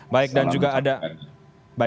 baik dan juga ada